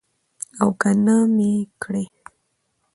او نه مې کړى.